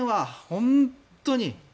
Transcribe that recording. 本当に。